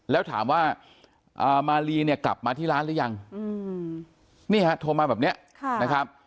แล้วถามว่ามาลีเนี่ยกลับมาที่ร้านหรือยังนี่ฮะโทรมาแบบนี้นะครับ